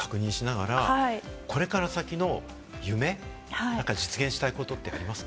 股関節をそうやって確認しながら、これから先の夢を実現したいことってありますか？